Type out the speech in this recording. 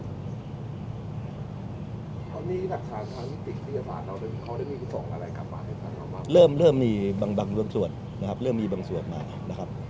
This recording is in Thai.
เริ่มมีบางส่วนนะครับเริ่มมีบางส่วนมานะครับเริ่มมีบางส่วนมาแล้วนะครับ